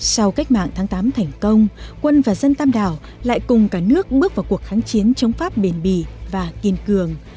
sau cách mạng tháng tám thành công quân và dân tam đảo lại cùng cả nước bước vào cuộc kháng chiến chống pháp bền bì và kiên cường